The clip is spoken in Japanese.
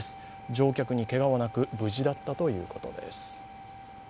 乗客にけがはなく無事だったということです。